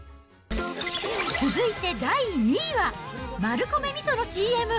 続いて第２位は、マルコメみそのＣＭ。